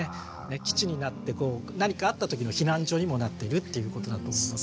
基地になって何かあったときの避難所にもなってるということだと思います。